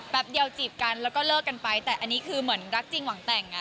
เดียวจีบกันแล้วก็เลิกกันไปแต่อันนี้คือเหมือนรักจริงหวังแต่งอ่ะ